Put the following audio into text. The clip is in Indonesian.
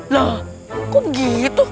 lah kok begitu